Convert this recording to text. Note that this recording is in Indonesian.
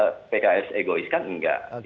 cuman pks egois kan tidak